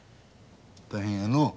大変やのう。